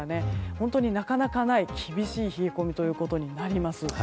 本当になかなかない厳しい冷え込みとなります。